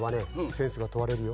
センスがとわれるよ。